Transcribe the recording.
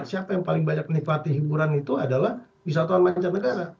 siapa yang paling banyak menikmati hiburan itu adalah wisatawan mancanegara